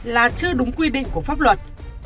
là chưa đúng quy định của pháp luật